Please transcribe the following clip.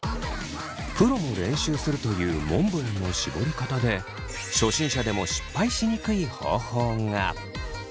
プロも練習するというモンブランの絞り方で初心者でも失敗しにくい方法が。